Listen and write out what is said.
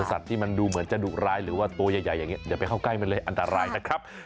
สัตว์ที่มันดูเหมือนจะดุร้ายหรือว่าตัวใหญ่อย่างนี้อย่าไปเข้าใกล้มันเลยอันตรายนะครับ